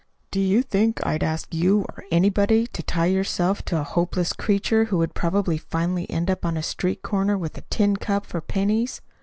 "Do you think I'd ask you or anybody to tie yourself to a helpless creature who would probably finally end up on a street corner with a tin cup for pennies?